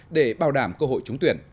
để bảo đảm cơ hội trúng tuyển